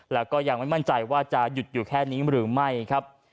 แล้วก็ยังไม่มั่นใจว่าจะหยุดอยู่แค่นี้หรือไม่ครับ